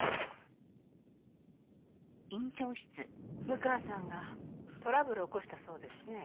六川さんがトラブルを起こしたそうですね。